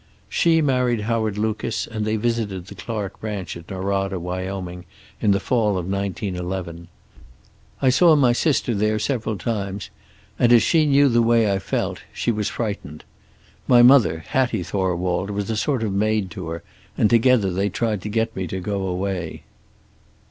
"She married Howard Lucas and they visited the Clark ranch at Norada, Wyoming, in the fall of 1911. I saw my sister there several times, and as she knew the way I felt she was frightened. My mother, Hattie Thorwald, was a sort of maid to her, and together they tried to get me to go away."